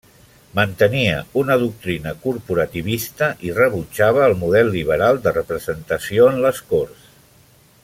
Mantenia una doctrina corporativista i rebutjava el model liberal de representació en les Corts.